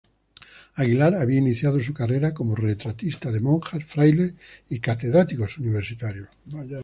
Aguilar había iniciado su carrera como retratista de monjas, frailes y catedráticos universitarios.